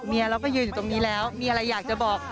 เราก็ยืนอยู่ตรงนี้แล้วมีอะไรอยากจะบอก